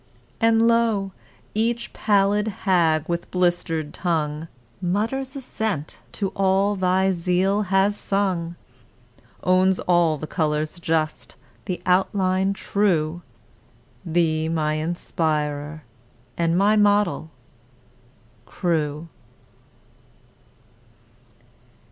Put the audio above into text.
And lo! each pallid hag, with blister'd tongue, Mutters assent to all thy zeal has sung Owns all the colours just the outline true; Thee my inspirer, and my model CREWE!